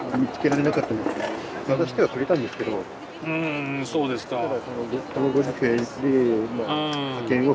うんそうですか。